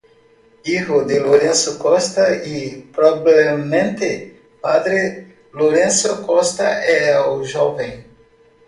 Hijo de Lorenzo Costa y, probablemente, padre de Lorenzo Costa el Joven.